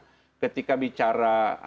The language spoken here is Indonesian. jadi kita harus berpikir pikir